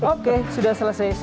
oke sudah selesai semudah